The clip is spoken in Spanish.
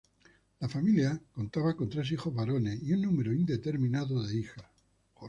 La familia contaba con tres hijos varones y un número indeterminado de hijas.